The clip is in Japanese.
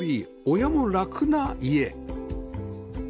親も楽な家